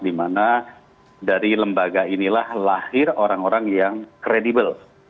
di mana dari lembaga inilah lahir orang orang yang credible